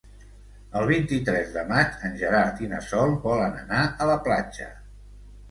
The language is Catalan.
El vint-i-tres de maig en Gerard i na Sol volen anar a la platja.